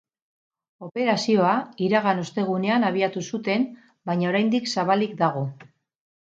Operazioa iragan ostegunean abiatu zuten, baina oraindik zabalik dago.